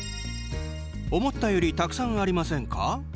思ったよりたくさんありませんか？